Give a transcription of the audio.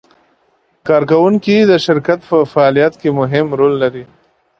کارکوونکي د شرکت په فعالیت کې مهم رول لري.